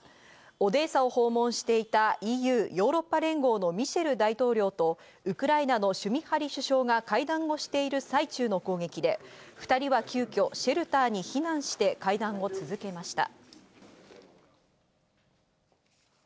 オデーサを訪問していたＥＵ＝ヨーロッパ連合のミシェル大統領とウクライナのシュミハリ首相が会談をしている最中の攻撃で２人は急きょシェルターに避難して会談を続けました。